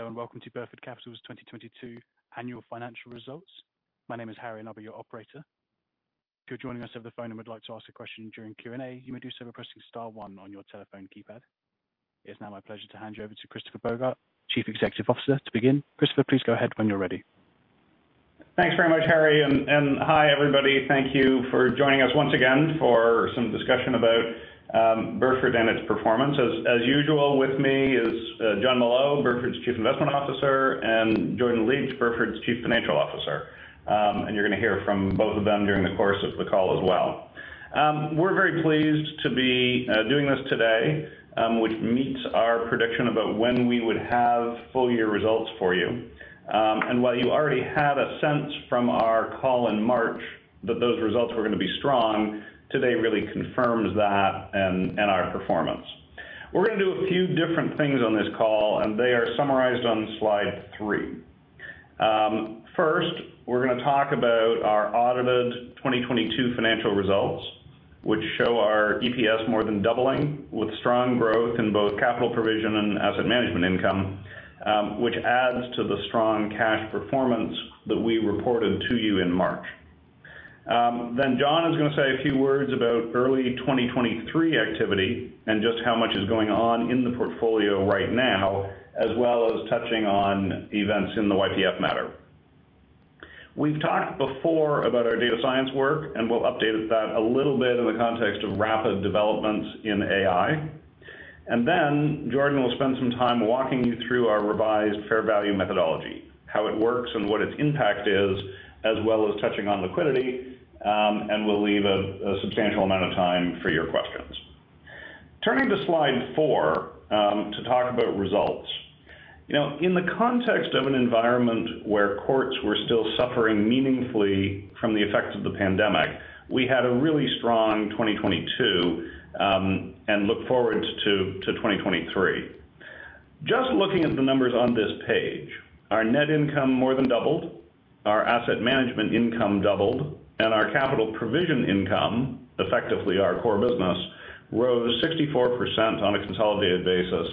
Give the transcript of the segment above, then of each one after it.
Hello, welcome to Burford Capital's 2022 annual financial results. My name is Harry, I'll be your operator. If you're joining us over the phone and would like to ask a question during Q&A, you may do so by pressing star one on your telephone keypad. It's now my pleasure to hand you over to Christopher Bogart, Chief Executive Officer, to begin. Christopher, please go ahead when you're ready. Thanks very much, Harry. Hi, everybody. Thank you for joining us once again for some discussion about Burford and its performance. As usual, with me is Jon Molot, Burford's Chief Investment Officer, and Jordan Licht, Burford's Chief Financial Officer. You're gonna hear from both of them during the course of the call as well. We're very pleased to be doing this today, which meets our prediction about when we would have full-year results for you. While you already had a sense from our call in March that those results were gonna be strong, today really confirms that and our performance. We're gonna do a few different things on this call, and they are summarized on slide 3. First, we're gonna talk about our audited 2022 financial results, which show our EPS more than doubling with strong growth in both capital provision and asset management income, which adds to the strong cash performance that we reported to you in March. Jon is gonna say a few words about early 2023 activity and just how much is going on in the portfolio right now, as well as touching on events in the YPF matter. We've talked before about our data science work, and we'll update that a little bit in the context of rapid developments in AI. Jordan will spend some time walking you through our revised fair value methodology, how it works and what its impact is, as well as touching on liquidity, and we'll leave a substantial amount of time for your questions. Turning to slide 4 to talk about results. You know, in the context of an environment where courts were still suffering meaningfully from the effects of the pandemic, we had a really strong 2022 and look forward to 2023. Just looking at the numbers on this page, our net income more than doubled, our asset management income doubled, and our capital provision income, effectively our core business, rose 64% on a consolidated basis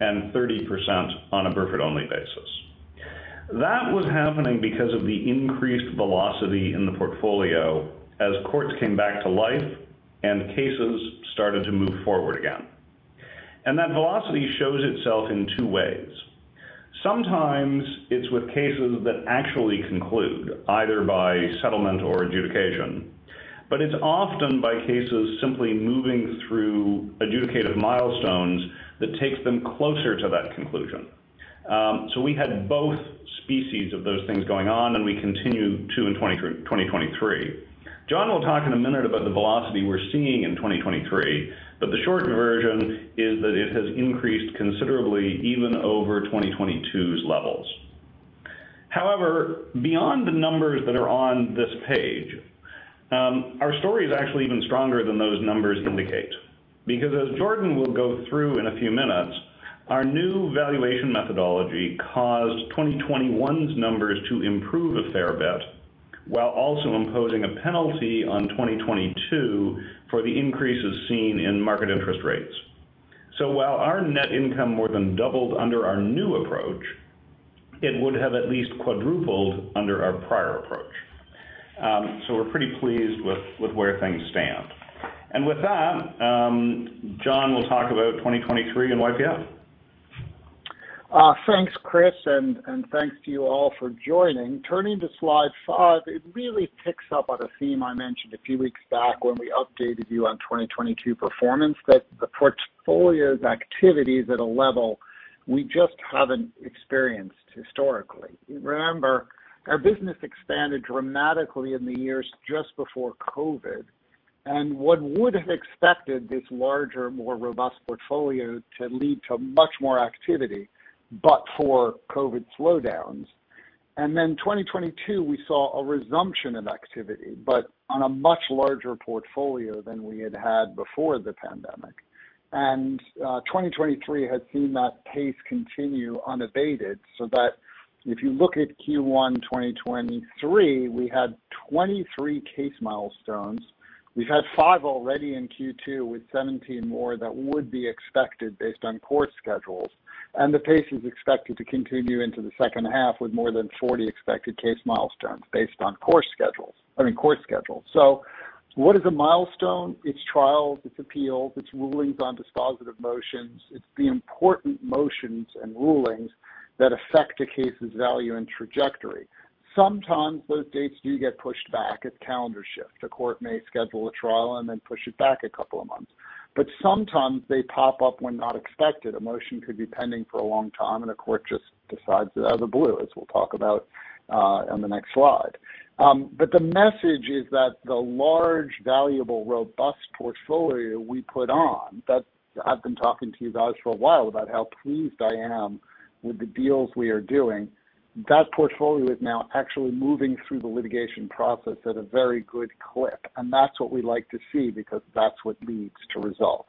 and 30% on a Burford-only basis. That was happening because of the increased velocity in the portfolio as courts came back to life and cases started to move forward again. That velocity shows itself in two ways. Sometimes it's with cases that actually conclude either by settlement or adjudication, but it's often by cases simply moving through adjudicative milestones that takes them closer to that conclusion. We had both species of those things going on, and we continue to in 2023. Jon Molot will talk in a minute about the velocity we're seeing in 2023, but the short version is that it has increased considerably even over 2022's levels. Beyond the numbers that are on this page, our story is actually even stronger than those numbers indicate. As Jordan Licht will go through in a few minutes, our new valuation methodology caused 2021's numbers to improve a fair bit while also imposing a penalty on 2022 for the increases seen in market interest rates. While our net income more than doubled under our new approach, it would have at least quadrupled under our prior approach. So we're pretty pleased with where things stand. With that, Jon Molot will talk about 2023 and YPF. Thanks, Christopher Bogart, and thanks to you all for joining. Turning to slide 5, it really picks up on a theme I mentioned a few weeks back when we updated you on 2022 performance that the portfolio's activity is at a level we just haven't experienced historically. Remember, our business expanded dramatically in the years just before COVID, one would have expected this larger, more robust portfolio to lead to much more activity, but for COVID slowdowns. 2022, we saw a resumption of activity, but on a much larger portfolio than we had had before the pandemic. 2023 has seen that pace continue unabated, so that if you look at Q1 2023, we had 23 case milestones. We've had five already in Q2, with 17 more that would be expected based on court schedules. The pace is expected to continue into the second half with more than 40 expected case milestones based on court schedules, I mean, court schedules. What is a milestone? It's trials, it's appeals, it's rulings on dispositive motions. It's the important motions and rulings that affect a case's value and trajectory. Sometimes those dates do get pushed back as calendars shift. The court may schedule a trial and then push it back a couple of months. Sometimes they pop up when not expected. A motion could be pending for a long time, and a court just decides it out of the blue, as we'll talk about on the next slide. The message is that the large, valuable, robust portfolio we put on, that I've been talking to you guys for a while about how pleased I am with the deals we are doing, that portfolio is now actually moving through the litigation process at a very good clip, and that's what we like to see because that's what leads to results.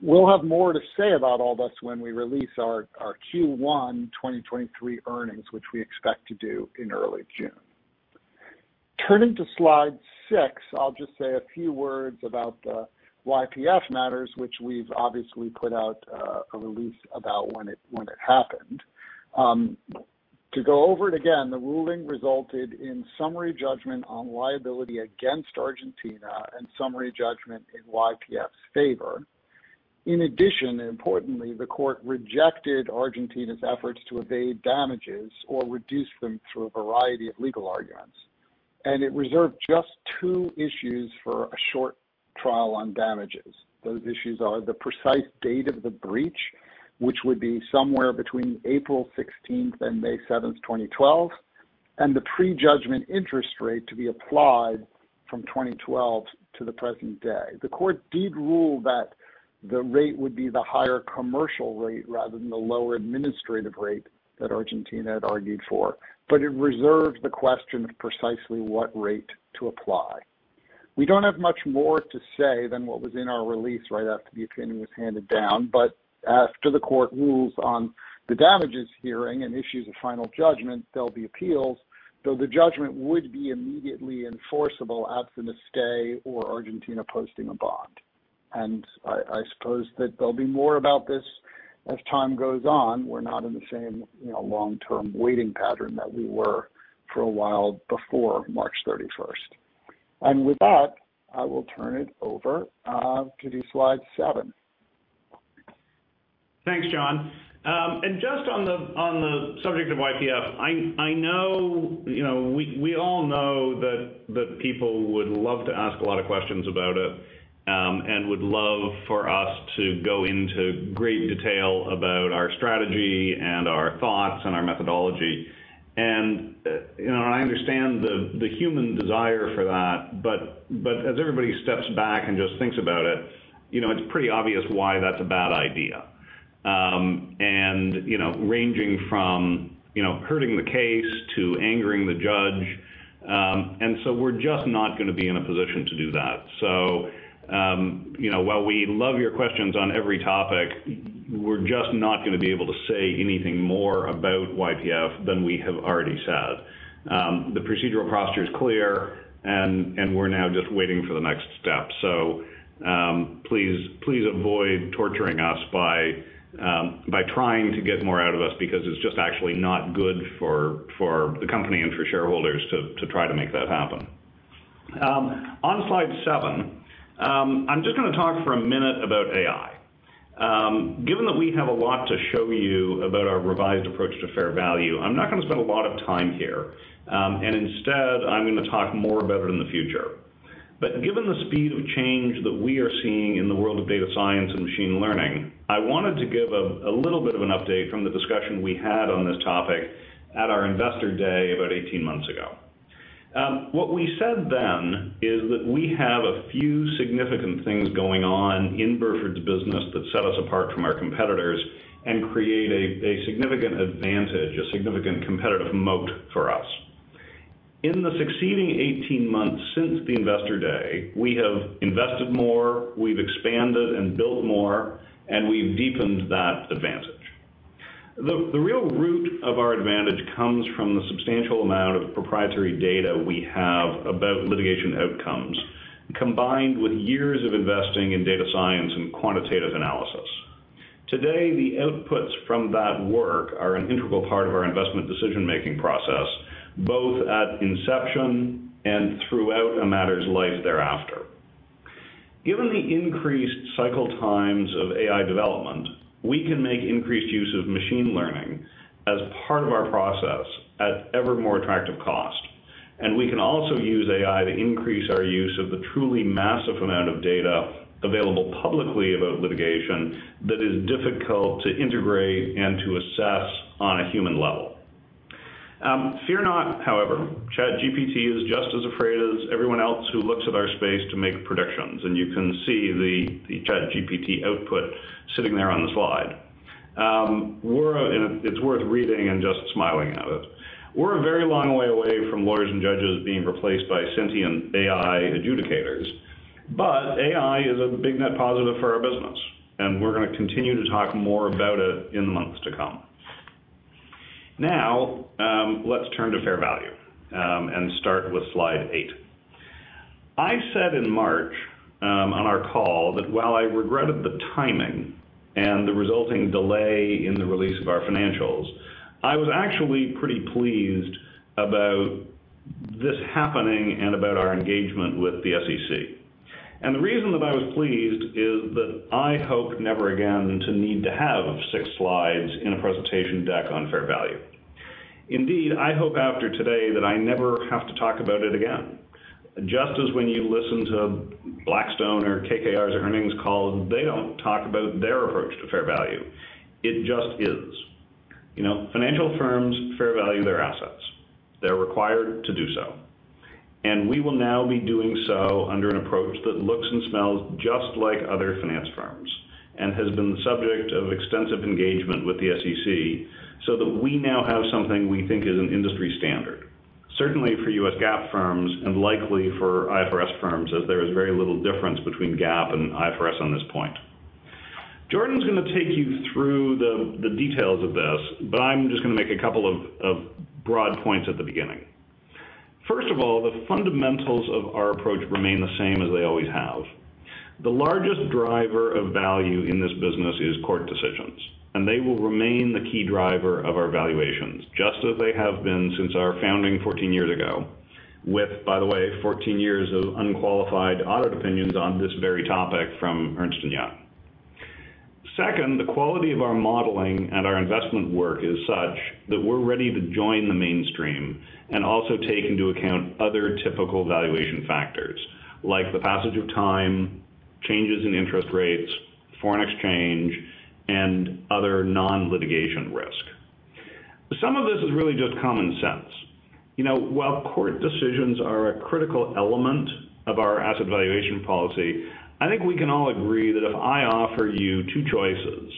We'll have more to say about all this when we release our Q1 2023 earnings, which we expect to do in early June. Turning to slide 6, I'll just say a few words about the YPF matters, which we've obviously put out a release about when it happened. To go over it again, the ruling resulted in summary judgment on liability against Argentina and summary judgment in YPF's favor. Importantly, the court rejected Argentina's efforts to evade damages or reduce them through a variety of legal arguments, and it reserved just two issues for a short trial on damages. Those issues are the precise date of the breach, which would be somewhere between April 16th and May 7th, 2012, and the prejudgment interest rate to be applied from 2012 to the present day. The court did rule that the rate would be the higher commercial rate rather than the lower administrative rate that Argentina had argued for, but it reserved the question of precisely what rate to apply. We don't have much more to say than what was in our release right after the opinion was handed down. After the court rules on the damages hearing and issues a final judgment, there'll be appeals, though the judgment would be immediately enforceable absent a stay or Argentina posting a bond. I suppose that there'll be more about this as time goes on. We're not in the same, you know, long-term waiting pattern that we were for a while before March 31st. With that, I will turn it over to slide 7. Thanks, Jon. Just on the, on the subject of YPF, I know, you know, we all know that people would love to ask a lot of questions about it, and would love for us to go into great detail about our strategy and our thoughts and our methodology. You know, I understand the human desire for that, but as everybody steps back and just thinks about it, you know, it's pretty obvious why that's a bad idea, and, you know, ranging from, you know, hurting the case to angering the judge. We're just not gonna be in a position to do that. You know, while we love your questions on every topic, we're just not gonna be able to say anything more about YPF than we have already said. The procedural posture is clear, and we're now just waiting for the next step. Please avoid torturing us by trying to get more out of us because it's just actually not good for the company and for shareholders to try to make that happen. On slide 7, I'm just gonna talk for a minute about AI. Given that we have a lot to show you about our revised approach to fair value, I'm not gonna spend a lot of time here, and instead, I'm gonna talk more about it in the future. Given the speed of change that we are seeing in the world of data science and machine learning, I wanted to give a little bit of an update from the discussion we had on this topic at our investor day about 18 months ago. What we said then is that we have a few significant things going on in Burford's business that set us apart from our competitors and create a significant advantage, a significant competitive moat for us. In the succeeding 18 months since the investor day, we have invested more, we've expanded and built more, and we've deepened that advantage. The real root of our advantage comes from the substantial amount of proprietary data we have about litigation outcomes, combined with years of investing in data science and quantitative analysis. Today, the outputs from that work are an integral part of our investment decision-making process, both at inception and throughout a matter's life thereafter. Given the increased cycle times of AI development, we can make increased use of machine learning as part of our process at ever more attractive cost, and we can also use AI to increase our use of the truly massive amount of data available publicly about litigation that is difficult to integrate and to assess on a human level. Fear not, however, ChatGPT is just as afraid as everyone else who looks at our space to make predictions, and you can see the ChatGPT output sitting there on the slide. It's worth reading and just smiling at it. We're a very long way away from lawyers and judges being replaced by sentient AI adjudicators, AI is a big net positive for our business, and we're gonna continue to talk more about it in the months to come. Now, let's turn to fair value, and start with slide 8. I said in March, on our call, that while I regretted the timing and the resulting delay in the release of our financials, I was actually pretty pleased about this happening and about our engagement with the SEC. The reason that I was pleased is that I hope never again to need to have six slides in a presentation deck on fair value. Indeed, I hope after today that I never have to talk about it again. Just as when you listen to Blackstone or KKR's earnings call, they don't talk about their approach to fair value. It just is. You know, financial firms fair value their assets. They're required to do so. We will now be doing so under an approach that looks and smells just like other finance firms and has been the subject of extensive engagement with the SEC so that we now have something we think is an industry standard, certainly for U.S. GAAP firms and likely for IFRS firms, as there is very little difference between GAAP and IFRS on this point. Jordan's gonna take you through the details of this, but I'm just gonna make a couple of broad points at the beginning. First of all, the fundamentals of our approach remain the same as they always have. The largest driver of value in this business is court decisions. They will remain the key driver of our valuations, just as they have been since our founding 14 years ago with, by the way, 14 years of unqualified audit opinions on this very topic from Ernst & Young. Second, the quality of our modeling and our investment work is such that we're ready to join the mainstream and also take into account other typical valuation factors, like the passage of time, changes in interest rates, foreign exchange, and other non-litigation risk. Some of this is really just common sense. You know, while court decisions are a critical element of our asset valuation policy, I think we can all agree that if I offer you two choices,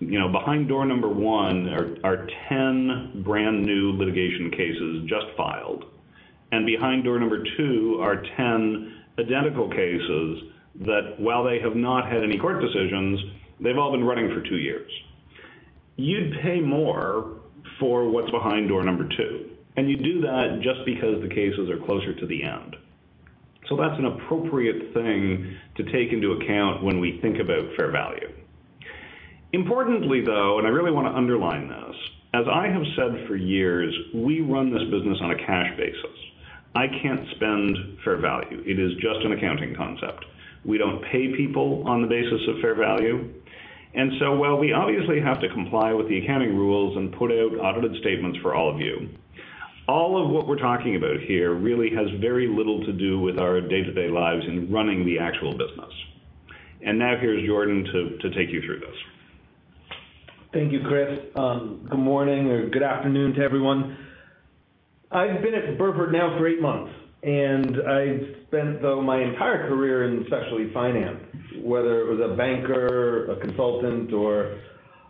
you know, behind door number one are 10 brand-new litigation cases just filed, and behind door number two are 10 identical cases that, while they have not had any court decisions, they've all been running for two years. You'd pay more for what's behind door number two, and you do that just because the cases are closer to the end. That's an appropriate thing to take into account when we think about fair value. Importantly, though, and I really wanna underline this, as I have said for years, we run this business on a cash basis. I can't spend fair value. It is just an accounting concept. We don't pay people on the basis of fair value. While we obviously have to comply with the accounting rules and put out audited statements for all of you, all of what we're talking about here really has very little to do with our day-to-day lives in running the actual business. Now here's Jordan to take you through this. Thank you, Chris. Good morning or good afternoon to everyone. I've been at Burford now for eight months, and I've spent though my entire career in specialty finance, whether it was a banker, a consultant, or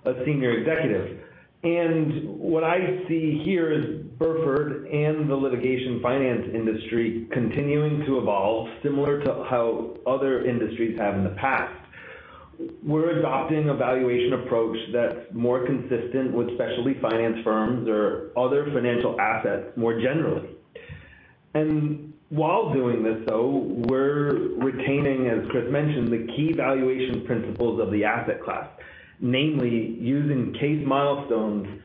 a senior executive. What I see here is Burford and the litigation finance industry continuing to evolve similar to how other industries have in the past. We're adopting a valuation approach that's more consistent with specialty finance firms or other financial assets more generally. While doing this, though, we're retaining, as Chris mentioned, the key valuation principles of the asset class, namely using case milestones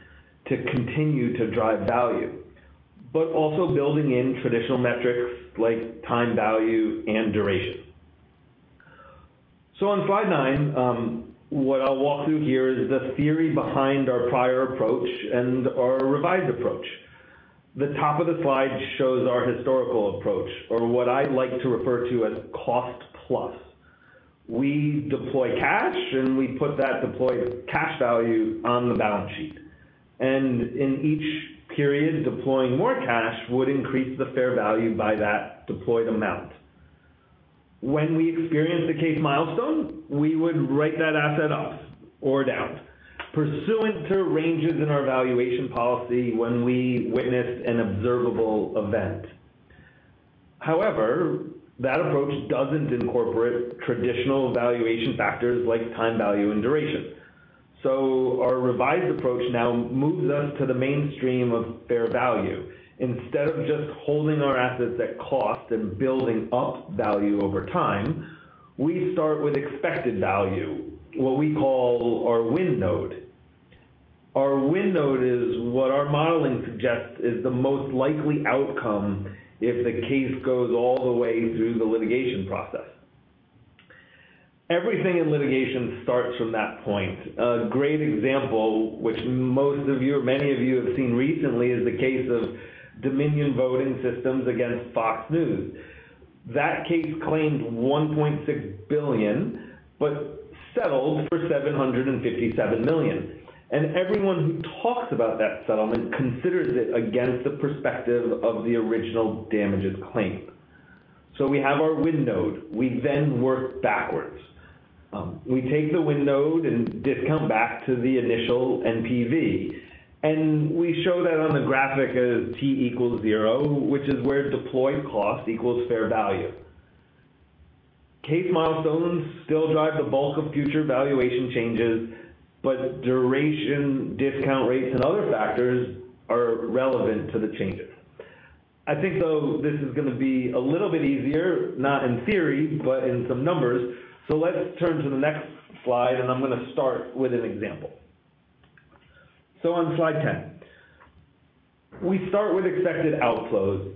to continue to drive value, but also building in traditional metrics like time value and duration. On slide 9, what I'll walk through here is the theory behind our prior approach and our revised approach. The top of the slide shows our historical approach or what I like to refer to as cost plus. We deploy cash, and we put that deployed cash value on the balance sheet. In each period, deploying more cash would increase the fair value by that deployed amount. When we experience a case milestone, we would write that asset off or down pursuant to ranges in our valuation policy when we witness an observable event. However, that approach doesn't incorporate traditional valuation factors like time, value, and duration. Our revised approach now moves us to the mainstream of fair value. Instead of just holding our assets at cost and building up value over time, we start with expected value, what we call our win node. Our win node is what our modeling suggests is the most likely outcome if the case goes all the way through the litigation process. Everything in litigation starts from that point. A great example which most of you or many of you have seen recently is the case of Dominion Voting Systems against Fox News. That case claimed $1.6 billion, settled for $757 million. Everyone who talks about that settlement considers it against the perspective of the original damages claim. We have our win node. We work backwards. We take the win node and discount back to the initial NPV, and we show that on the graphic as t equals zero, which is where deployed cost equals fair value. Case milestones still drive the bulk of future valuation changes, but duration, discount rates, and other factors are relevant to the changes. I think, though, this is gonna be a little bit easier, not in theory, but in some numbers. Let's turn to the next slide, and I'm gonna start with an example. On slide 10. We start with expected outflows,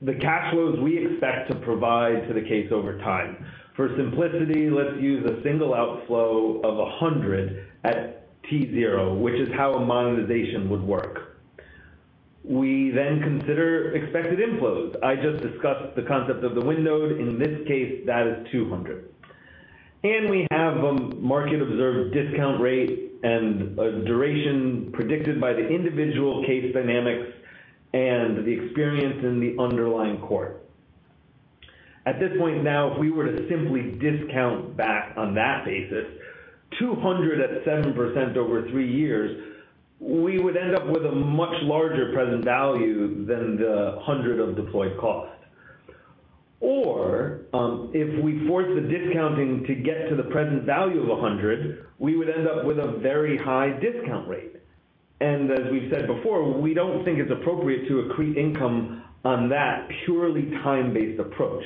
the cash flows we expect to provide to the case over time. For simplicity, let's use a single outflow of 100 at t zero, which is how a monetization would work. We consider expected inflows. I just discussed the concept of the win node. In this case, that is 200. We have a market-observed discount rate and a duration predicted by the individual case dynamics and the experience in the underlying court. At this point now, if we were to simply discount back on that basis, $200 at 7% over three years, we would end up with a much larger present value than the $100 of deployed cost. If we force the discounting to get to the present value of $100, we would end up with a very high discount rate. As we've said before, we don't think it's appropriate to accrete income on that purely time-based approach.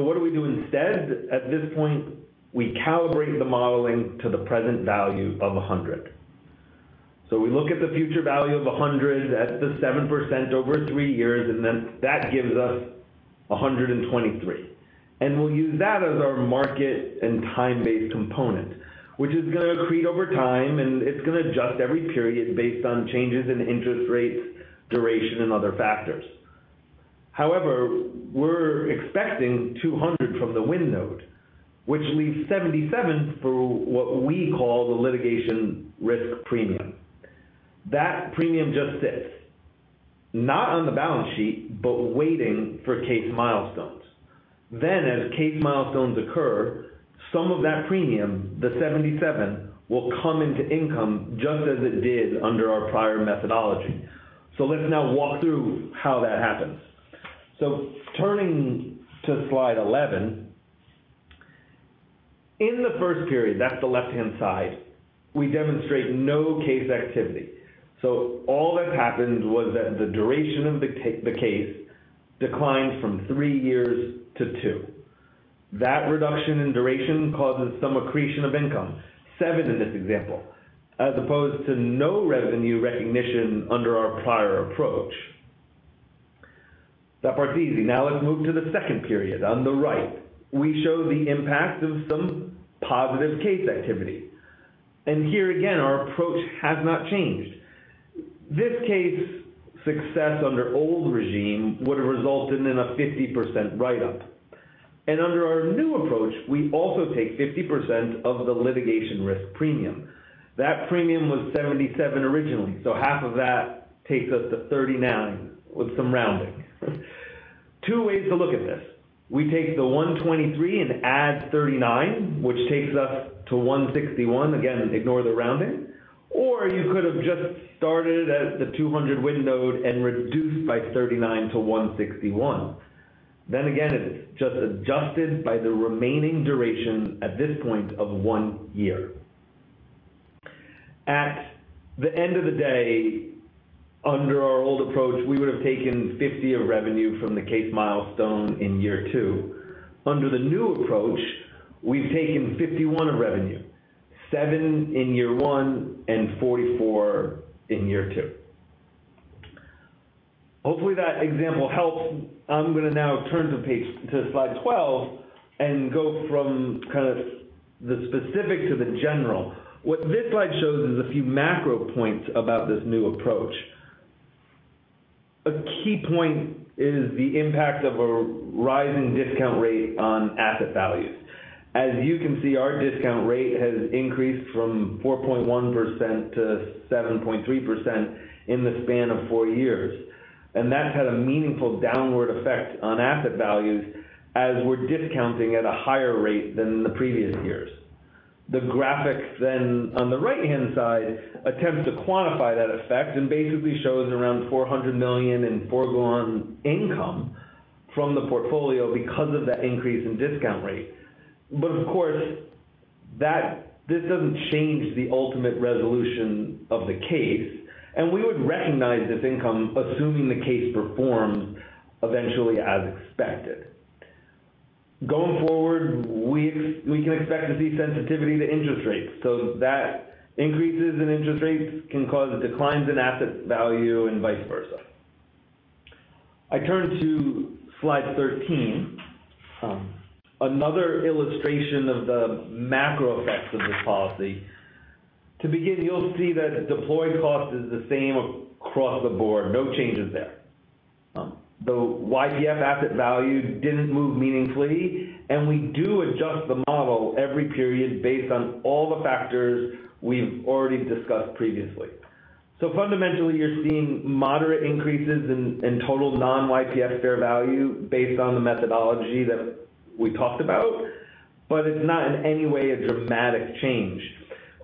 What do we do instead? At this point, we calibrate the modeling to the present value of $100. We look at the future value of $100 at the 7% over three years, that gives us $123. We'll use that as our market and time-based component, which is going to accrete over time, and it's going to adjust every period based on changes in interest rates, duration, and other factors. However, we're expecting $200 from the win node, which leaves $77 for what we call the litigation risk premium. That premium just sits, not on the balance sheet, but waiting for case milestones. As case milestones occur, some of that premium, the $77, will come into income just as it did under our prior methodology. Let's now walk through how that happens. Turning to slide 11. In the first period, that's the left-hand side, we demonstrate no case activity. All that happened was that the duration of the case declined from three years to two. That reduction in duration causes some accretion of income, 7 in this example, as opposed to no revenue recognition under our prior approach. That part's easy. Let's move to the second period. On the right, we show the impact of some positive case activity. Here again, our approach has not changed. This case success under old regime would have resulted in a 50% write-up. Under our new approach, we also take 50% of the litigation risk premium. That premium was 77 originally, half of that takes us to 39 with some rounding. Two ways to look at this. We take the 123 and add 39, which takes us to 161. Again, ignore the rounding. You could have just started at the 200 win node and reduced by 39 to 161. Again, it is just adjusted by the remaining duration at this point of one year. At the end of the day, under our old approach, we would have taken $50 of revenue from the case milestone in year 2. Under the new approach, we've taken $51 of revenue, $7 in year 1 and $44 in year 2. Hopefully, that example helps. I'm gonna now turn the page to slide 12 and go from kind of the specific to the general. What this slide shows is a few macro points about this new approach. A key point is the impact of a rising discount rate on asset values. As you can see, our discount rate has increased from 4.1%-7.3% in the span of four years. That's had a meaningful downward effect on asset values as we're discounting at a higher rate than the previous years. The graphics then on the right-hand side attempts to quantify that effect and basically shows around $400 million in foregone income from the portfolio because of that increase in discount rate. Of course, this doesn't change the ultimate resolution of the case, and we would recognize this income, assuming the case performs eventually as expected. Going forward, we can expect to see sensitivity to interest rates. That increases in interest rates can cause declines in asset value and vice versa. I turn to slide 13, another illustration of the macro effects of this policy. To begin, you'll see that deployed cost is the same across the board. No changes there. The YPF asset value didn't move meaningfully, we do adjust the model every period based on all the factors we've already discussed previously. Fundamentally, you're seeing moderate increases in total non-YPF fair value based on the methodology that we talked about, but it's not in any way a dramatic change.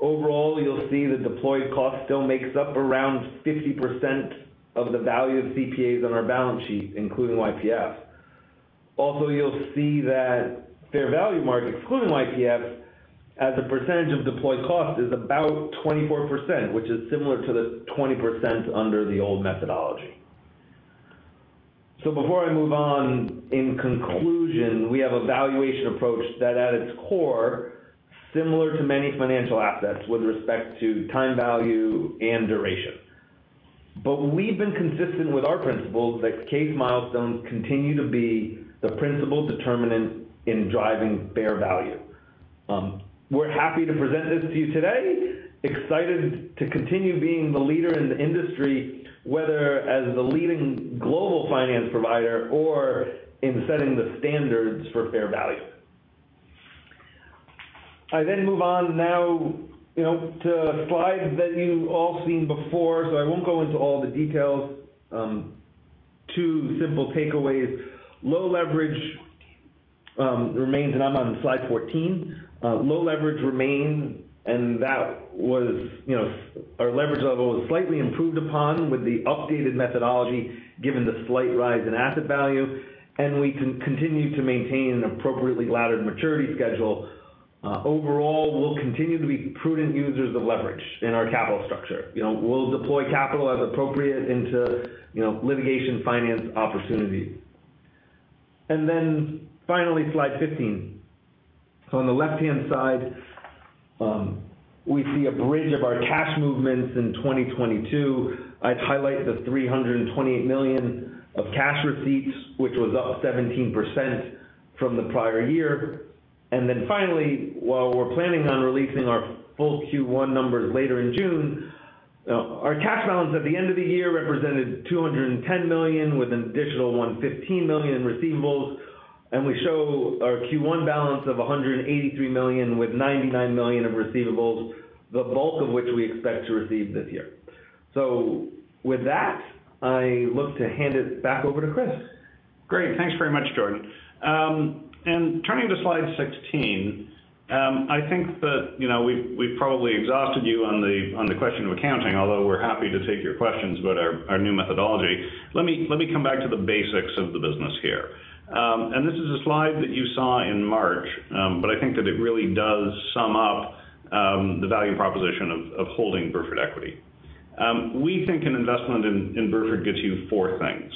Overall, you'll see the deployed cost still makes up around 50% of the value of CPAs on our balance sheet, including YPF. Also, you'll see that fair value mark, excluding YPF, as a percentage of deployed cost, is about 24%, which is similar to the 20% under the old methodology. Before I move on, in conclusion, we have a valuation approach that at its core, similar to many financial assets with respect to time value and duration. We've been consistent with our principles that case milestones continue to be the principal determinant in driving fair value. We're happy to present this to you today. Excited to continue being the leader in the industry, whether as the leading global finance provider or in setting the standards for fair value. I move on now, you know, to slides that you've all seen before, so I won't go into all the details. Two simple takeaways. Low leverage remains, and I'm on slide 14. Low leverage remains, and that was, you know, our leverage level was slightly improved upon with the updated methodology given the slight rise in asset value, and we continue to maintain an appropriately laddered maturity schedule. Overall, we'll continue to be prudent users of leverage in our capital structure. You know, we'll deploy capital as appropriate into, you know, litigation finance opportunities. Finally, slide 15. On the left-hand side, we see a bridge of our cash movements in 2022. I'd highlight the $328 million of cash receipts, which was up 17% from the prior year. Finally, while we're planning on releasing our full Q1 numbers later in June, our cash balance at the end of the year represented $210 million, with an additional $115 million in receivables. We show our Q1 balance of $183 million, with $99 million of receivables, the bulk of which we expect to receive this year. With that, I look to hand it back over to Chris. Great. Thanks very much, Jordan. Turning to slide 16, I think that, you know, we've probably exhausted you on the question of accounting, although we're happy to take your questions about our new methodology. Let me come back to the basics of the business here. This is a slide that you saw in March, but I think that it really does sum up the value proposition of holding Burford equity. We think an investment in Burford gets you four things.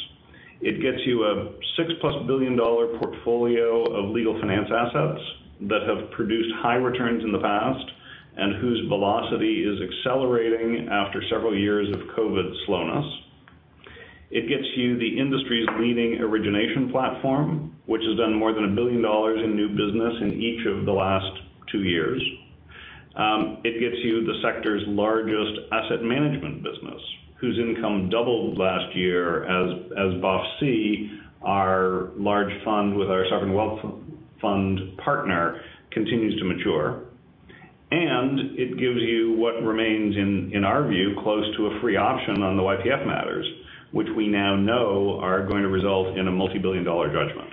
It gets you a $6-plus billion portfolio of legal finance assets that have produced high returns in the past and whose velocity is accelerating after several years of COVID slowness. It gets you the industry's leading origination platform, which has done more than $1 billion in new business in each of the last two years. It gets you the sector's largest asset management business, whose income doubled last year as BOF-C, our large fund with our sovereign wealth fund partner continues to mature. It gives you what remains, in our view, close to a free option on the YPF matters, which we now know are going to result in a multi-billion dollar judgment.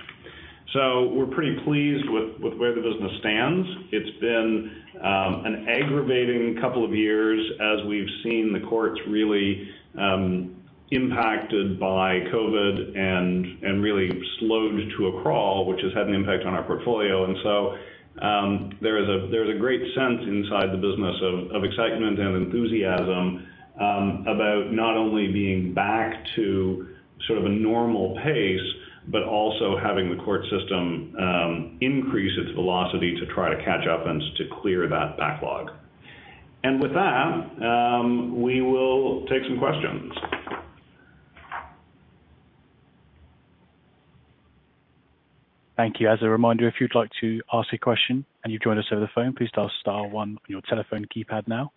We're pretty pleased with where the business stands. It's been an aggravating couple of years as we've seen the courts really impacted by COVID and really slowed to a crawl, which has had an impact on our portfolio. There's a great sense inside the business of excitement and enthusiasm, about not only being back to sort of a normal pace, but also having the court system, increase its velocity to try to catch up and to clear that backlog. With that, we will take some questions. Thank you. As a reminder, if you'd like to ask a question and you've joined us over the phone, please dial star one on your telephone keypad now.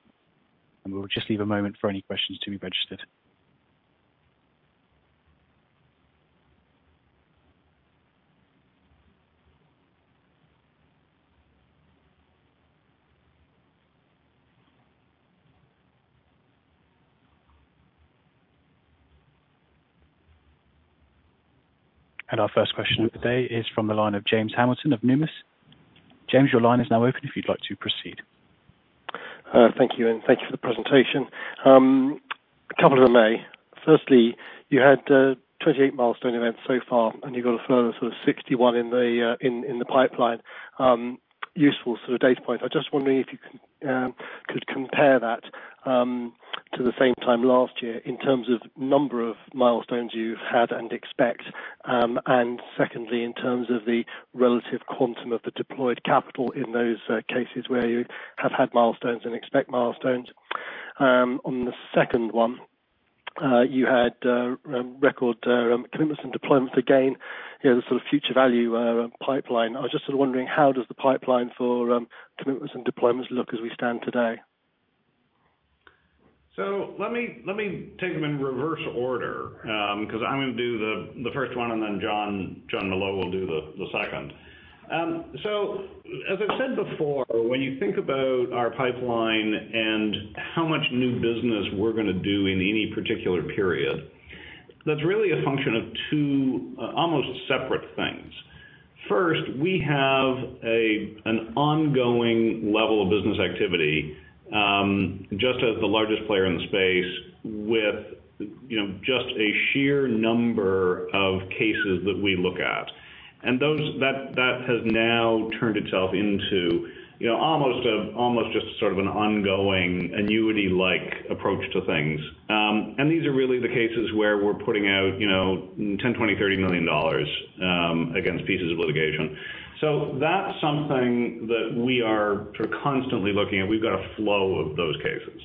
We'll just leave a moment for any questions to be registered. Our first question of the day is from the line of James Hamilton of Numis. James, your line is now open if you'd like to proceed. Thank you, and thank you for the presentation. A couple of them may. Firstly, you had 28 milestone events so far, and you've got a further sort of 61 in the pipeline, useful sort of data point. I just wondering if you can compare that to the same time last year in terms of number of milestones you've had and expect. Secondly, in terms of the relative quantum of the deployed capital in those cases where you have had milestones and expect milestones. On the second one, you had record commitments and deployments again, you know, the sort of future value pipeline. I was just sort of wondering how does the pipeline for commitments and deployments look as we stand today? Let me take them in reverse order, 'cause I'm gonna do the first one, and then Jon Molot will do the second. As I've said before, when you think about our pipeline and how much new business we're gonna do in any particular period, that's really a function of two almost separate things. First, we have an ongoing level of business activity, just as the largest player in the space with, you know, just a sheer number of cases that we look at. That has now turned itself into, you know, almost just sort of an ongoing annuity-like approach to things. These are really the cases where we're putting out, you know, $10 million, $20 million, $30 million against pieces of litigation. That's something that we are sort of constantly looking at. We've got a flow of those cases.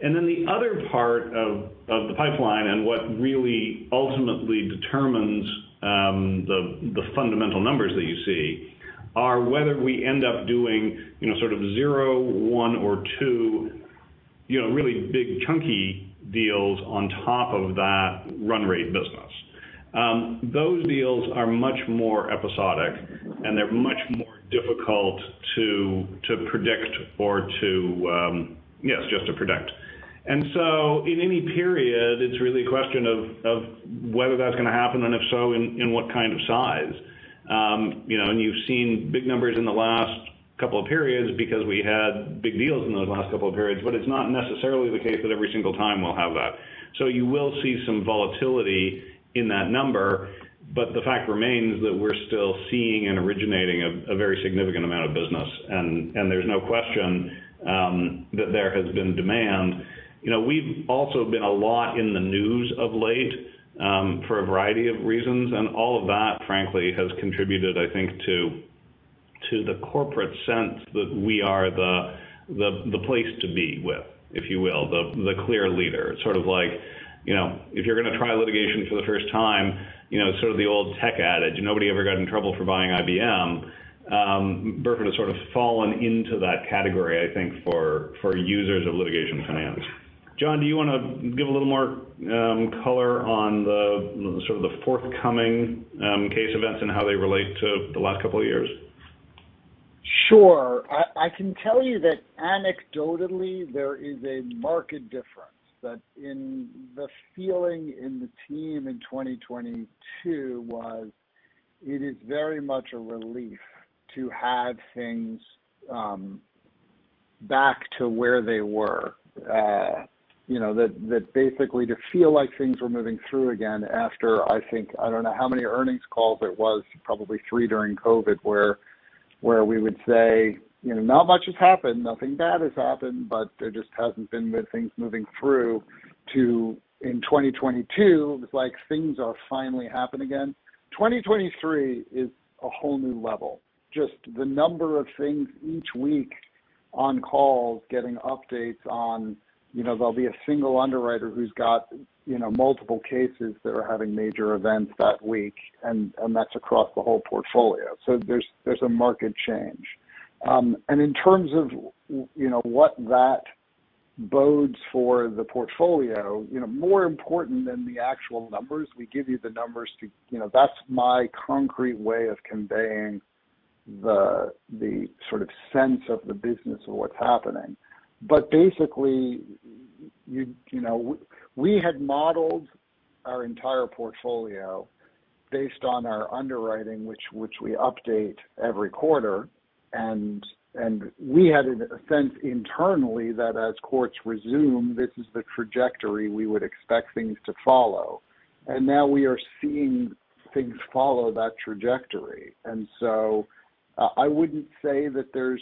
The other part of the pipeline and what really ultimately determines the fundamental numbers that you see are whether we end up doing, you know, sort of zero, one or two, you know, really big chunky deals on top of that run rate business. Those deals are much more episodic, and they're much more difficult to predict or to, yes, just to predict. In any period, it's really a question of whether that's gonna happen, and if so, in what kind of size. You know, you've seen big numbers in the last couple of periods because we had big deals in those last couple of periods. It's not necessarily the case that every single time we'll have that. You will see some volatility in that number, but the fact remains that we're still seeing and originating a very significant amount of business. There's no question that there has been demand. You know, we've also been a lot in the news of late for a variety of reasons, and all of that, frankly, has contributed, I think, to the corporate sense that we are the place to be with, if you will, the clear leader. Sort of like, you know, if you're gonna try litigation for the first time, you know, sort of the old tech adage, nobody ever got in trouble for buying IBM. Burford has sort of fallen into that category, I think, for users of litigation finance. Jon, do you wanna give a little more color on the sort of the forthcoming case events and how they relate to the last couple of years? Sure. I can tell you that anecdotally there is a marked difference that in the feeling in the team in 2022 was it is very much a relief to have things back to where they were. You know, that basically to feel like things were moving through again after I don't know how many earnings calls it was, probably three during COVID, where we would say, you know, not much has happened. Nothing bad has happened, but there just hasn't been the things moving through to in 2022, it's like things are finally happening again. 2023 is a whole new level. Just the number of things each week on calls, getting updates on, you know, there'll be a single underwriter who's got, you know, multiple cases that are having major events that week, and that's across the whole portfolio. There's a marked change. In terms of, you know, what that bodes for the portfolio, you know, more important than the actual numbers, we give you the numbers. You know, that's my concrete way of conveying the sense of the business of what's happening. Basically, you know, we had modeled our entire portfolio based on our underwriting, which we update every quarter. We had a sense internally that as courts resume, this is the trajectory we would expect things to follow. Now we are seeing things follow that trajectory. I wouldn't say that there's,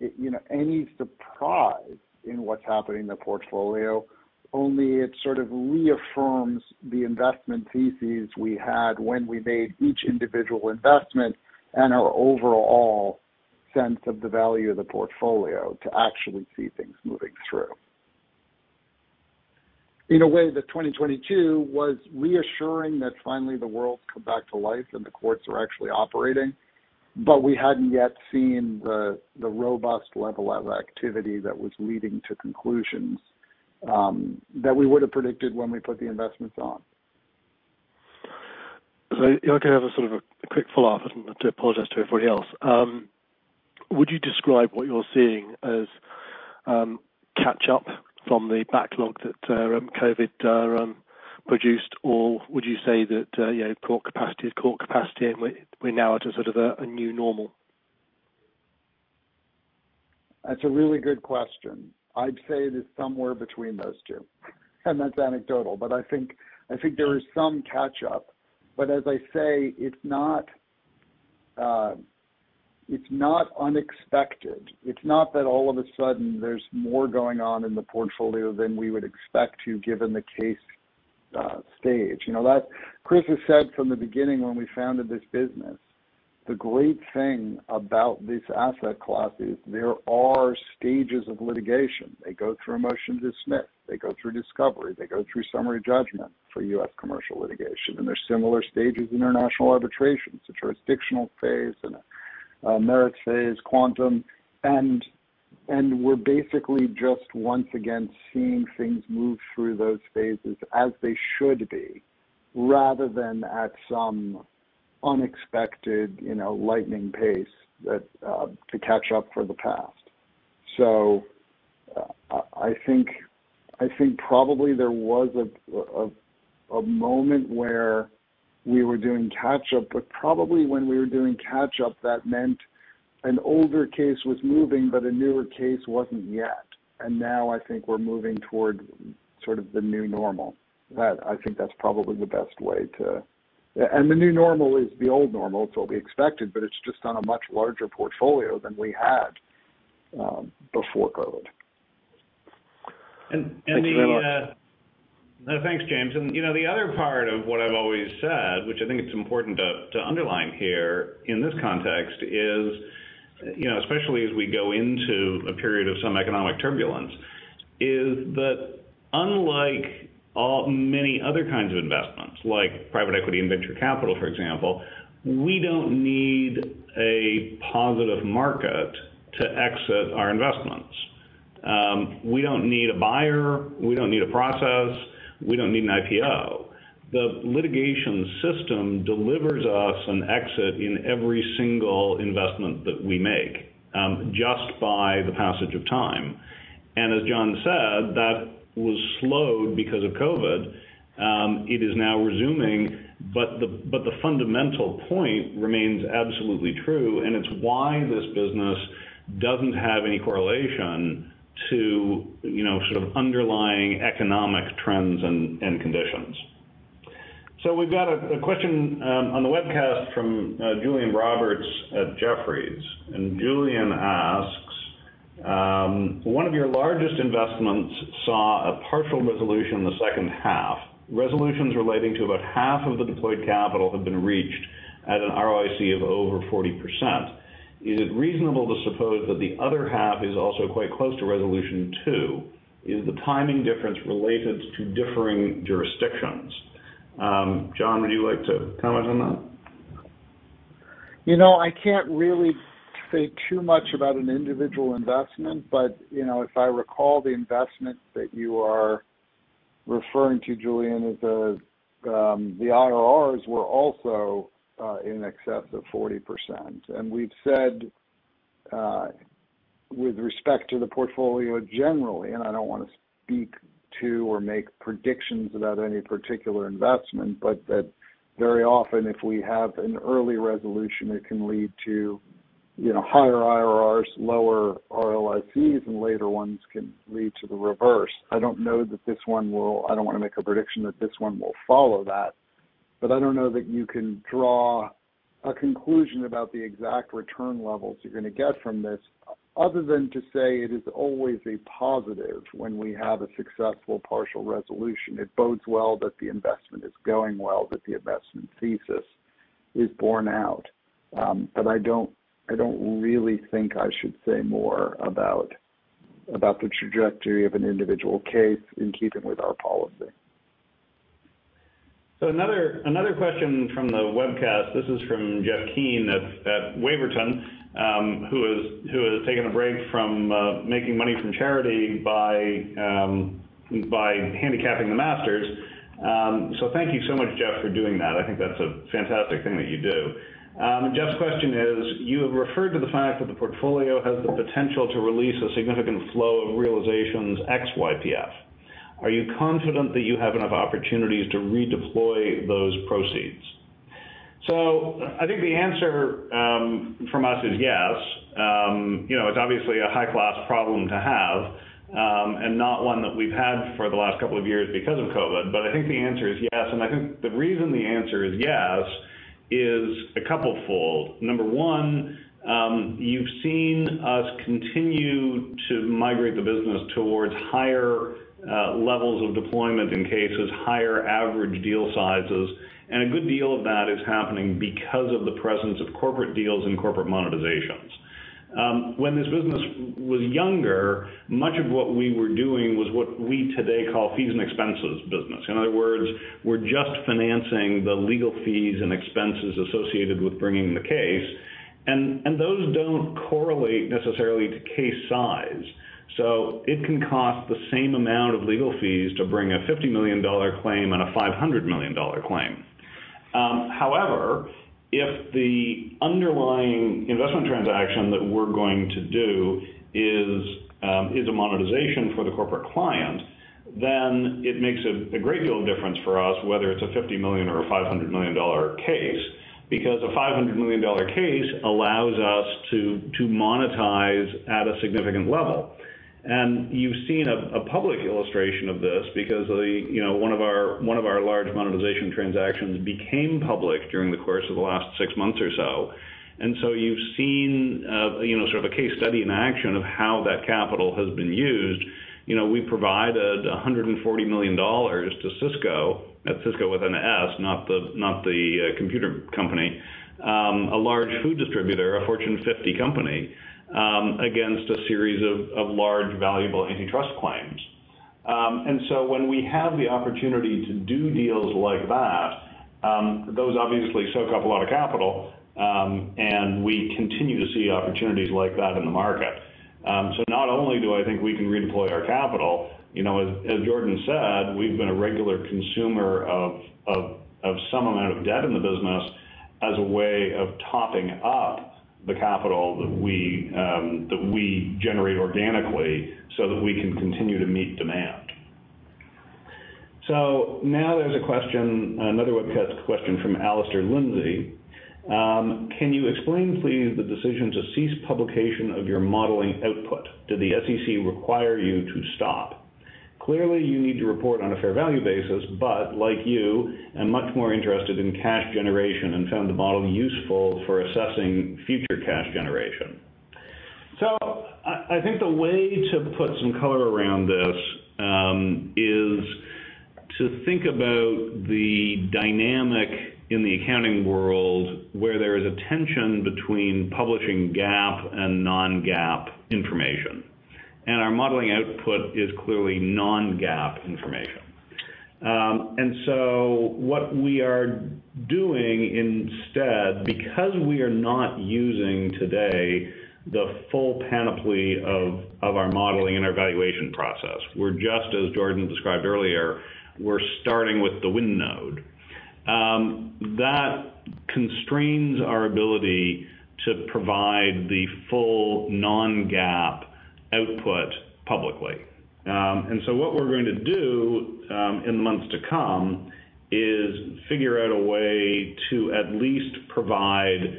you know, any surprise in what's happening in the portfolio, only it sort of reaffirms the investment thesis we had when we made each individual investment and our overall sense of the value of the portfolio to actually see things moving through. In a way that 2022 was reassuring that finally the world's come back to life and the courts are actually operating. We hadn't yet seen the robust level of activity that was leading to conclusions that we would have predicted when we put the investments on. If I could have a sort of a quick follow-up to apologize to everybody else. Would you describe what you're seeing as catch up from the backlog that COVID produced, or would you say that, you know, core capacity is core capacity, and we're now at a sort of a new normal? That's a really good question. I'd say that it's somewhere between those two. That's anecdotal. I think there is some catch up. As I say, it's not, it's not unexpected. It's not that all of a sudden there's more going on in the portfolio than we would expect to given the case stage. You know, that Chris has said from the beginning when we founded this business, the great thing about this asset class is there are stages of litigation. They go through a motion to dismiss. They go through discovery. They go through summary judgment for U.S. commercial litigation. There's similar stages in international arbitration, the jurisdictional phase and a merit phase, quantum. We're basically just once again seeing things move through those phases as they should be, rather than at some unexpected, you know, lightning pace that to catch up for the past. I think probably there was a moment where we were doing catch up, but probably when we were doing catch up, that meant an older case was moving, but a newer case wasn't yet. Now I think we're moving toward sort of the new normal. That I think that's probably the best way to. The new normal is the old normal, so it'll be expected, but it's just on a much larger portfolio than we had before COVID. Thank you very much. No, thanks, James. You know, the other part of what I've always said, which I think it's important to underline here in this context, is, you know, especially as we go into a period of some economic turbulence, is that unlike many other kinds of investments, like private equity and venture capital, for example, we don't need a positive market to exit our investments. We don't need a buyer. We don't need a process. We don't need an IPO. The litigation system delivers us an exit in every single investment that we make, just by the passage of time. As Jon said, that was slowed because of COVID. It is now resuming, but the fundamental point remains absolutely true, and it's why this business doesn't have any correlation to, you know, sort of underlying economic trends and conditions. We've got a question on the webcast from Julian Roberts at Jefferies. Julian asks: One of your largest investments saw a partial resolution in the second half. Resolutions relating to about half of the deployed capital have been reached at an ROIC of over 40%. Is it reasonable to suppose that the other half is also quite close to resolution too? Is the timing difference related to differing jurisdictions? Jon, would you like to comment on that? You know, I can't really say too much about an individual investment, but, you know, if I recall the investment that you are referring to, Julian, is the IRRs were also, in excess of 40%. We've said, with respect to the portfolio generally, and I don't wanna speak to or make predictions about any particular investment, but that very often if we have an early resolution, it can lead to, you know, higher IRRs, lower ROICs, and later ones can lead to the reverse. I don't wanna make a prediction that this one will follow that. I don't know that you can draw a conclusion about the exact return levels you're gonna get from this other than to say it is always a positive when we have a successful partial resolution. It bodes well that the investment is going well, that the investment thesis is borne out. I don't really think I should say more about the trajectory of an individual case in keeping with our policy. Another question from the webcast, this is from Jeff Keane at Waverton, who has taken a break from making money from charity by handicapping The Masters. Thank you so much, Jeff, for doing that. I think that's a fantastic thing that you do. Jeff's question is: You have referred to the fact that the portfolio has the potential to release a significant flow of realizations ex YPF. Are you confident that you have enough opportunities to redeploy those proceeds? I think the answer from us is yes. You know, it's obviously a high-class problem to have, and not one that we've had for the last couple of years because of COVID. I think the answer is yes, and I think the reason the answer is yes is a couplefold. Number one, you've seen us continue to migrate the business towards higher levels of deployment in cases, higher average deal sizes, and a good deal of that is happening because of the presence of corporate deals and corporate monetizations. When this business was younger, much of what we were doing was what we today call fees and expenses business. In other words, we're just financing the legal fees and expenses associated with bringing the case, and those don't correlate necessarily to case size. It can cost the same amount of legal fees to bring a $50 million claim and a $500 million claim. However, if the underlying investment transaction that we're going to do is a monetization for the corporate client, then it makes a great deal of difference for us whether it's a $50 million or a $500 million dollar case, because a $500 million dollar case allows us to monetize at a significant level. You've seen a public illustration of this because you know, one of our large monetization transactions became public during the course of the last six months or so. You've seen, you know, sort of a case study in action of how that capital has been used. You know, we provided $140 million to Sysco, that's Sysco with an S, not the, computer company, a large food distributor, a Fortune 50 company, against a series of large valuable antitrust claims. When we have the opportunity to do deals like that, those obviously soak up a lot of capital, and we continue to see opportunities like that in the market. Not only do I think we can redeploy our capital, you know, as Jordan said, we've been a regular consumer of some amount of debt in the business as a way of topping up the capital that we generate organically so that we can continue to meet demand. Now there's a question, another webcast question from Alistair Lindsey. Can you explain please the decision to cease publication of your modeling output? Did the SEC require you to stop? Clearly, you need to report on a fair value basis, but like you, I'm much more interested in cash generation and found the model useful for assessing future cash generation. I think the way to put some color around this is to think about the dynamic in the accounting world where there is a tension between publishing GAAP and non-GAAP information, and our modeling output is clearly non-GAAP information. What we are doing instead, because we are not using today the full panoply of our modeling and our valuation process, we're just, as Jordan described earlier, we're starting with the win node. That constrains our ability to provide the full non-GAAP output publicly. What we're going to do in the months to come is figure out a way to at least provide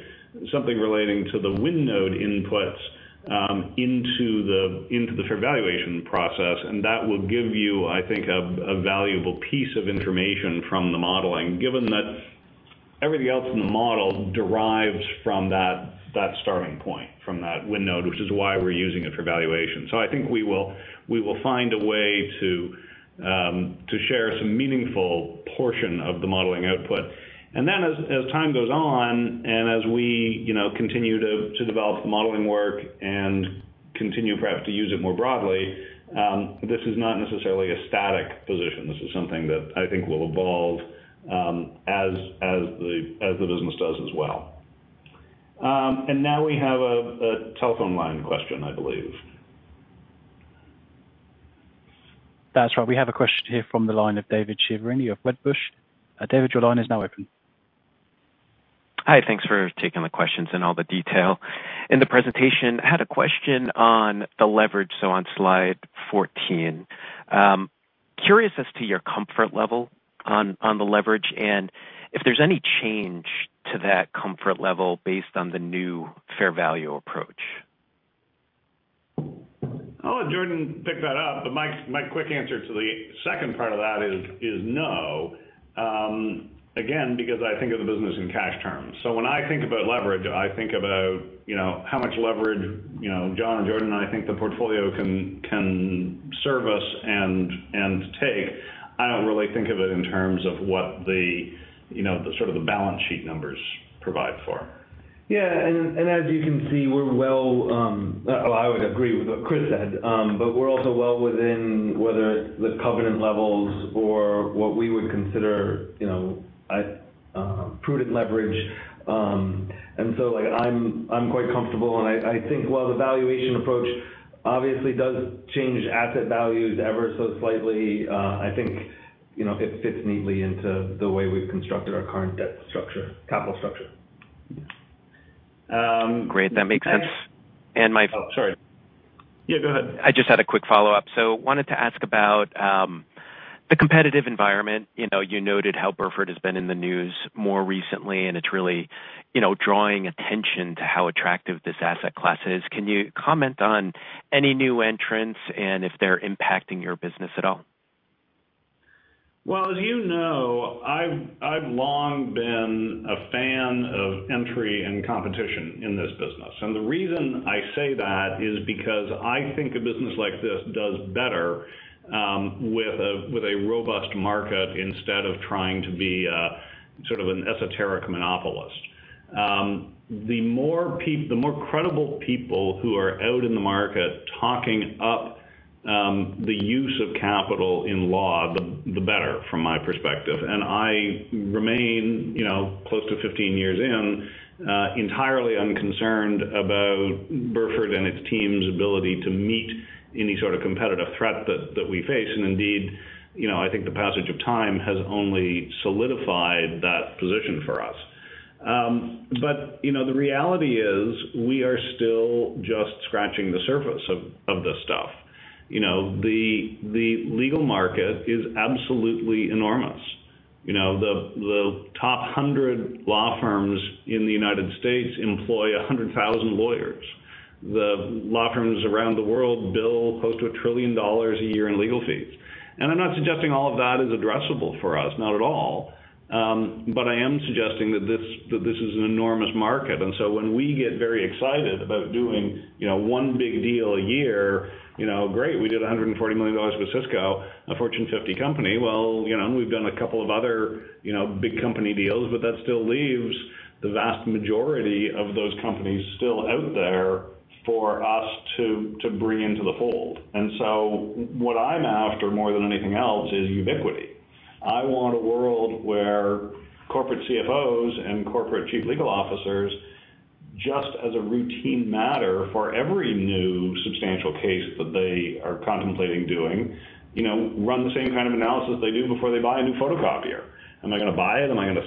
something relating to the win node inputs into the fair valuation process. That will give you, I think, a valuable piece of information from the modeling, given that everything else in the model derives from that starting point, from that win node, which is why we're using it for valuation. I think we will find a way to share some meaningful portion of the modeling output. As time goes on and as we, you know, continue to develop the modeling work and continue perhaps to use it more broadly, this is not necessarily a static position. This is something that I think will evolve, as the business does as well. Now we have a telephone line question, I believe. That's right. We have a question here from the line of David Chiaverini of Wedbush. David, your line is now open. Hi. Thanks for taking the questions and all the detail. In the presentation, I had a question on the leverage, on slide 14. Curious as to your comfort level on the leverage and if there's any change to that comfort level based on the new fair value approach. I'll let Jordan pick that up. My quick answer to the second part of that is no. Again, because I think of the business in cash terms. When I think about leverage, I think about, you know, how much leverage, you know, Jon and Jordan and I think the portfolio can service and take. I don't really think of it in terms of what the, you know, the sort of the balance sheet numbers provide for. Yeah. As you can see, we're well, I would agree with what Chris said. We're also well within whether the covenant levels or what we would consider, you know, prudent leverage. Like, I'm quite comfortable and I think while the valuation approach obviously does change asset values ever so slightly, I think, you know, it fits neatly into the way we've constructed our current debt structure, capital structure. Great. That makes sense. Oh, sorry. Yeah, go ahead. I just had a quick follow-up. Wanted to ask about, the competitive environment. You know, you noted how Burford has been in the news more recently, and it's really, you know, drawing attention to how attractive this asset class is. Can you comment on any new entrants and if they're impacting your business at all? Well, as you know, I've long been a fan of entry and competition in this business. The reason I say that is because I think a business like this does better, with a robust market instead of trying to be a sort of an esoteric monopolist. The more credible people who are out in the market talking up, the use of capital in law, the better from my perspective. I remain, you know, close to 15 years in, entirely unconcerned about Burford and its team's ability to meet any sort of competitive threat that we face. Indeed, you know, I think the passage of time has only solidified that position for us. You know, the reality is we are still just scratching the surface of this stuff. You know, the legal market is absolutely enormous. You know, the top 100 law firms in the United States employ 100,000 lawyers. The law firms around the world bill close to $1 trillion a year in legal fees. I'm not suggesting all of that is addressable for us, not at all. I am suggesting that this is an enormous market. When we get very excited about doing, you know, one big deal a year, you know, great, we did $140 million with Sysco, a Fortune 50 company. Well, you know, and we've done a couple of other, you know, big company deals, but that still leaves the vast majority of those companies still out there for us to bring into the fold. What I'm after more than anything else is ubiquity. I want a world where corporate CFOs and corporate chief legal officers, just as a routine matter for every new substantial case that they are contemplating doing, you know, run the same kind of analysis they do before they buy a new photocopier. Am I gonna buy it? Am I gonna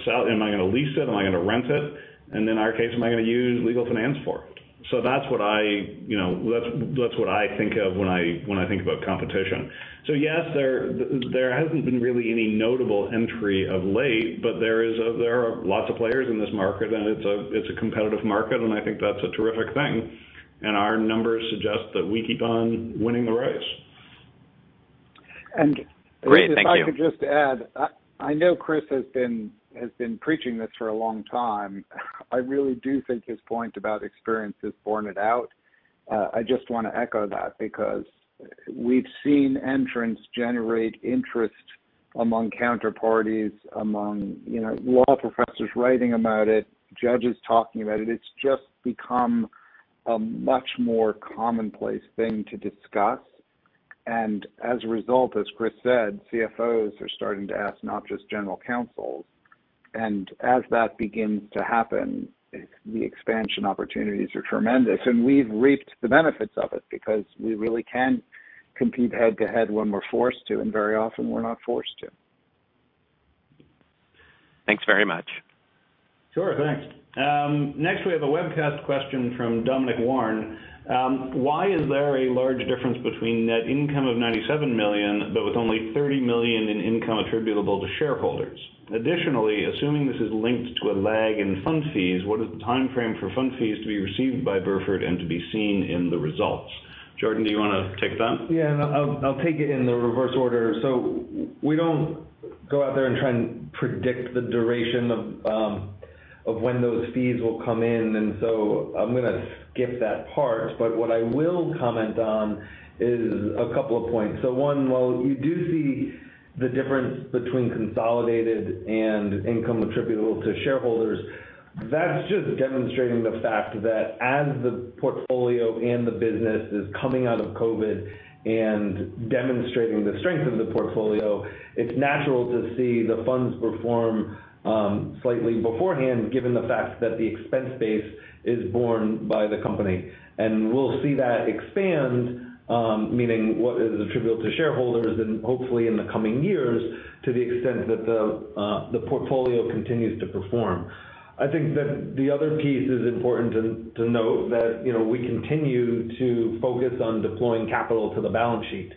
lease it? Am I gonna rent it? In our case, am I gonna use legal finance for it? That's what I, you know, that's what I think of when I, when I think about competition. Yes, there hasn't been really any notable entry of late, but there are lots of players in this market, and it's a, it's a competitive market, and I think that's a terrific thing. Our numbers suggest that we keep on winning the race. And- Great. Thank you. If I could just add, I know Chris has been preaching this for a long time. I really do think his point about experience has borne it out. I just wanna echo that because we've seen entrants generate interest among counterparties, among, you know, law professors writing about it, judges talking about it. It's just become a much more commonplace thing to discuss. As a result, as Chris said, CFOs are starting to ask not just general counsels. As that begins to happen, the expansion opportunities are tremendous. We've reaped the benefits of it because we really can compete head-to-head when we're forced to, and very often we're not forced to. Thanks very much. Sure. Thanks. Next, we have a webcast question from Dominic Warren. Why is there a large difference between net income of $97 million, but with only $30 million in income attributable to shareholders? Assuming this is linked to a lag in fund fees, what is the time frame for fund fees to be received by Burford and to be seen in the results? Jordan, do you wanna take that? Yeah. I'll take it in the reverse order. We don't go out there and try and predict the duration of when those fees will come in, and so I'm gonna skip that part. What I will comment on is a couple of points. One, while you do see the difference between consolidated and income attributable to shareholders, that's just demonstrating the fact that as the portfolio and the business is coming out of COVID and demonstrating the strength of the portfolio, it's natural to see the funds perform slightly beforehand, given the fact that the expense base is borne by the company. We'll see that expand, meaning what is attributable to shareholders and hopefully in the coming years, to the extent that the portfolio continues to perform. I think that the other piece is important to note that, you know, we continue to focus on deploying capital to the balance sheet.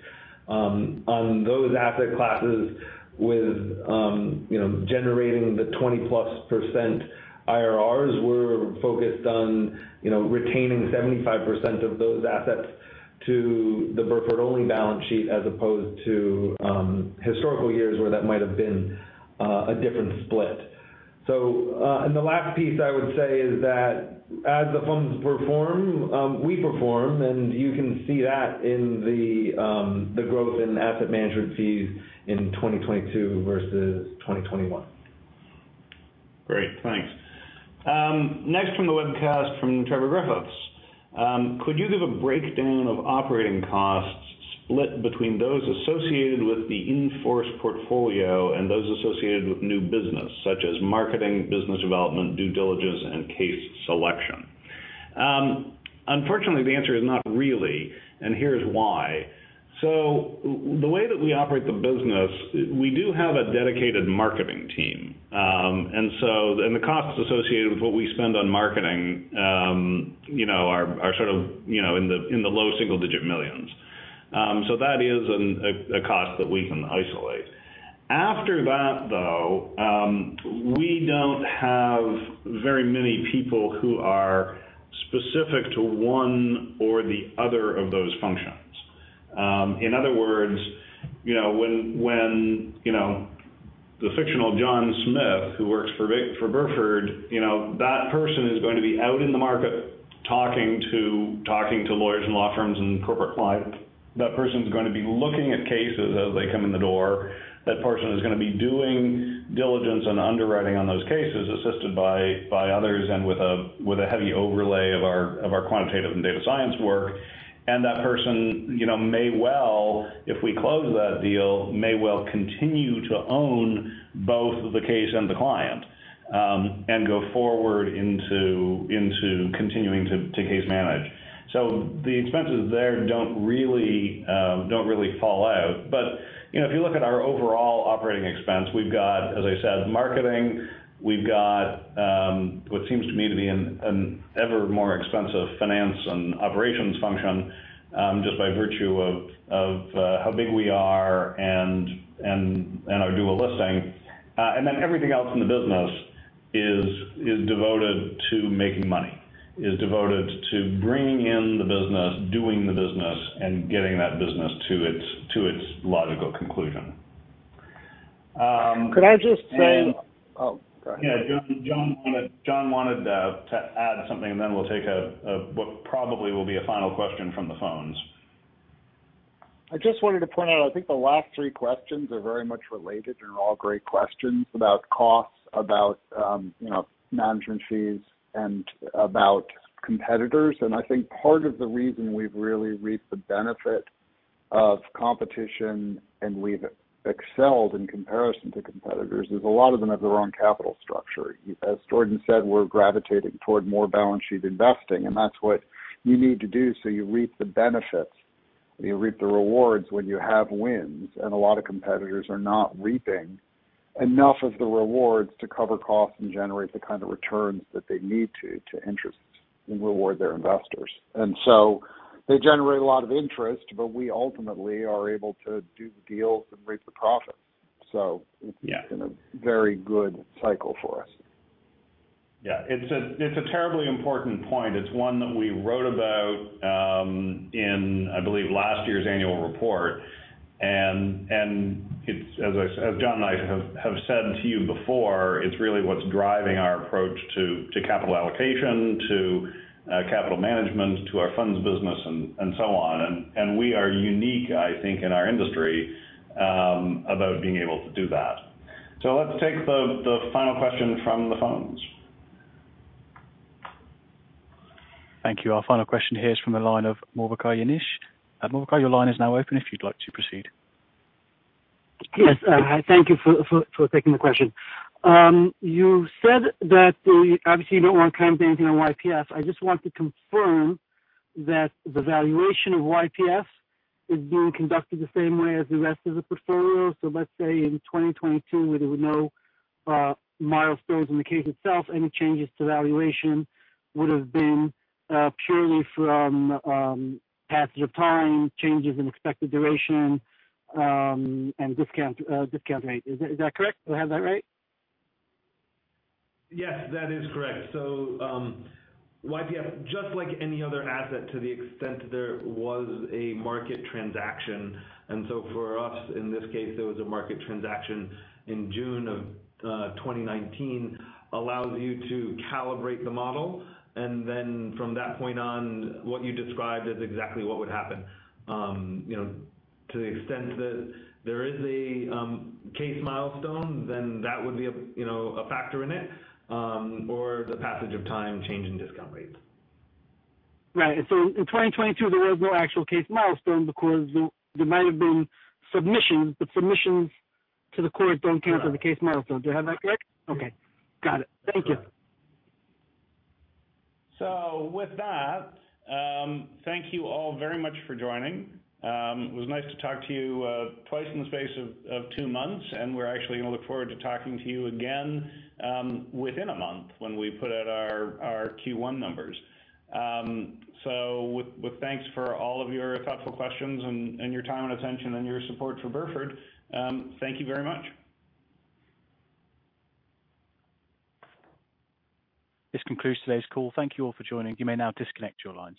On those asset classes with, you know, generating the 20+% IRRs, we're focused on, you know, retaining 75% of those assets to the Burford only balance sheet, as opposed to historical years, where that might have been a different split. The last piece I would say is that as the funds perform, we perform, and you can see that in the growth in asset management fees in 2022 versus 2021. Great. Thanks. Next from the webcast from Trevor Griffiths. Could you give a breakdown of operating costs split between those associated with the in-force portfolio and those associated with new business, such as marketing, business development, due diligence, and case selection? Unfortunately, the answer is not really, and here's why. The way that we operate the business, we do have a dedicated marketing team. The costs associated with what we spend on marketing, you know, are sort of, you know, in the low single-digit millions. That is a cost that we can isolate. After that, though, we don't have very many people who are specific to one or the other of those functions. In other words, you know, when, you know, the fictional John Smith who works for Burford, you know, that person is going to be out in the market talking to lawyers and law firms and corporate clients. That person's gonna be looking at cases as they come in the door. That person is gonna be doing diligence and underwriting on those cases, assisted by others and with a heavy overlay of our quantitative and data science work. That person, you know, may well, if we close that deal, may well continue to own both the case and the client, and go forward into continuing to case manage. The expenses there don't really fall out. You know, if you look at our overall OpEx, we've got, as I said, marketing, we've got, what seems to me to be an ever more expensive finance and operations function, just by virtue of how big we are and our dual listing. Then everything else in the business is devoted to making money, is devoted to bringing in the business, doing the business, and getting that business to its logical conclusion. Could I just say. And- Oh, go ahead. Yeah. Jon wanted to add something, and then we'll take a what probably will be a final question from the phones. I just wanted to point out, I think the last three questions are very much related, and they're all great questions about costs, about, you know, management fees, and about competitors. I think part of the reason we've really reaped the benefit of competition, and we've excelled in comparison to competitors, is a lot of them have their own capital structure. As Jordan said, we're gravitating toward more balance sheet investing, and that's what you need to do so you reap the benefits and you reap the rewards when you have wins. A lot of competitors are not reaping enough of the rewards to cover costs and generate the kind of returns that they need to interest and reward their investors. They generate a lot of interest, but we ultimately are able to do the deals and reap the profits. Yeah. It's been a very good cycle for us. Yeah. It's a terribly important point. It's one that we wrote about in, I believe, last year's annual report. It's, as I said, as Jon and I have said to you before, it's really what's driving our approach to capital allocation, to capital management, to our funds business, and so on. We are unique, I think, in our industry about being able to do that. Let's take the final question from the phones. Thank you. Our final question here is from the line of Mowakay, Yagnesh. Mowakay, your line is now open if you'd like to proceed. Yes. Thank you for taking the question. You said that obviously you don't want to comment anything on YPF. I just want to confirm that the valuation of YPF is being conducted the same way as the rest of the portfolio. Let's say in 2022, where there were no milestones in the case itself, any changes to valuation would have been purely from passage of time, changes in expected duration, and discount rate. Is that correct? Do I have that right? Yes, that is correct. YPF, just like any other asset, to the extent there was a market transaction, and so for us, in this case, there was a market transaction in June of 2019, allows you to calibrate the model. From that point on what you described is exactly what would happen. You know, to the extent that there is a case milestone, then that would be a, you know, a factor in it, or the passage of time change in discount rates. Right. In 2022, there was no actual case milestone because there might have been submissions, but submissions to the court don't count as a case milestone. Do I have that correct? Yeah. Okay. Got it. Correct. Thank you. With that, thank you all very much for joining. It was nice to talk to you twice in the space of two months, and we're actually gonna look forward to talking to you again within one month when we put out our Q1 numbers. With thanks for all of your thoughtful questions and your time and attention and your support for Burford, thank you very much. This concludes today's call. Thank you all for joining. You may now disconnect your lines.